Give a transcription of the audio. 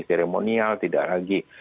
seremonial tidak lagi